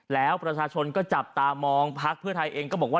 แล้วประชาชนก็จับตามองพักเพื่อไทยเองก็บอกว่า